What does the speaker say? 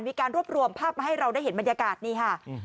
มีการรวบรวมภาพมาให้เราได้เห็นบรรยากาศนี่ค่ะ